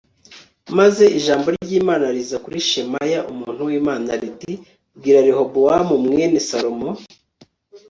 maze ijambo ry'imana riza kuri shemaya umuntu w'imana riti bwira rehobowamu mwene salomo